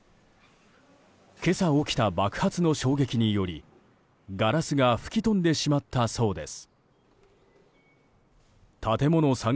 今朝起きた爆発の衝撃によりガラスが吹き飛んでしまったそうです。